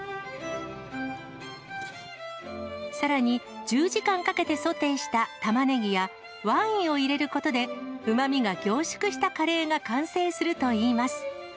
さらに１０時間かけてソテーしたたまねぎや、ワインを入れることで、うまみが凝縮したカレーが完成するといいます。